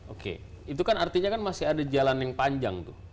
oke itu kan artinya kan masih ada jalan yang panjang tuh